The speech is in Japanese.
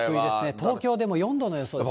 東京でも４度の予想です。